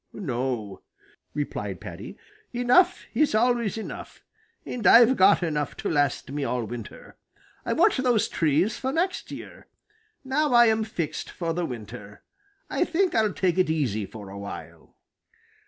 "No," replied Paddy. "Enough is always enough, and I've got enough to last me all winter. I want those trees for next year. Now I am fixed for the winter. I think I'll take it easy for a while."